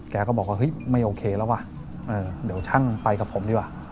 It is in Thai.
แกก็บอกว่าเฮ้ยไม่โอเคแล้วว่ะเดี๋ยวช่างไปกับผมดีกว่า